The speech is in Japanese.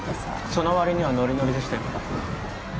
その割にはノリノリでしたよ。